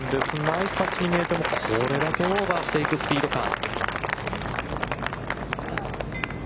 ナイスタッチに見えても、これだけオーバーしていくスピード感。